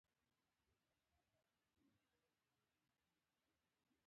د انګورو سرکه په کورونو کې جوړیږي.